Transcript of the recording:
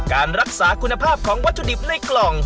การรักษาคุณภาพของวัตถุดิบในกล่อง